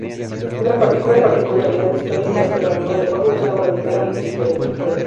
Una particularidad histórica es que Vanua Levu estuvo habitada antes que Viti Levu.